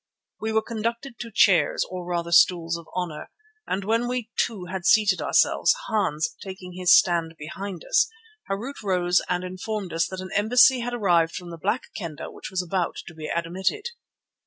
We were conducted to chairs, or rather stools of honour, and when we two had seated ourselves, Hans taking his stand behind us, Harût rose and informed us that an embassy had arrived from the Black Kendah which was about to be admitted.